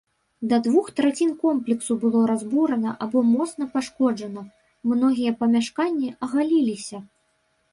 Да двух трацін комплексу было разбурана або моцна пашкоджана, многія памяшканні агаліліся.